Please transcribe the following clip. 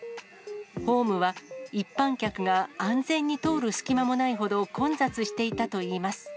ホームは一般客が安全に通る隙間もないほど、混雑していたといいます。